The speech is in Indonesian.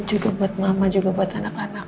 juga buat mama juga buat anak anak